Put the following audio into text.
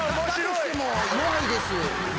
だとしても弱いです。